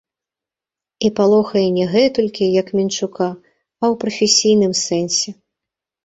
І палохае не гэтулькі, як мінчука, а ў прафесійным сэнсе.